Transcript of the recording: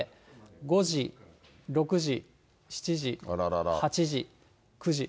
５時、６時、７時、８時、９時。